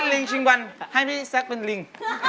ลิงชิงวันให้พี่แซคเป็นลิง